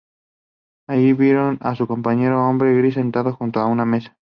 Allí vieron a un pequeño hombre gris sentado junto a una mesa.